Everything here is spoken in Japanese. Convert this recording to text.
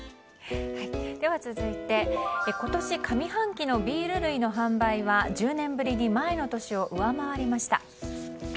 続いて今年上半期のビール類の販売は１０年ぶりに前の年を上回りました。